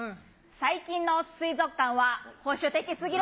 最近の水族館は保守的すぎる。